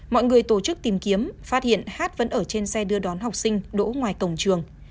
mọi người tổ chức tìm kiếm phát hiện hát vẫn ở trên xe đưa đón học sinh đỗ ngoài cổng trường